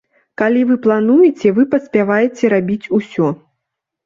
Калі вы плануеце, вы паспяваеце рабіць усё.